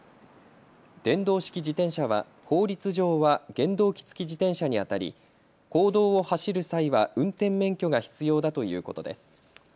電動式自転車は法律上は原動機付き自転車にあたり公道を走る際は運転免許が必要だということです。